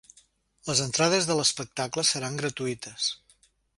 Les entrades de l’espectacle seran gratuïtes.